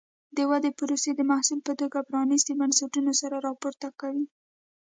د ودې پروسې د محصول په توګه پرانیستي بنسټونه سر راپورته کوي.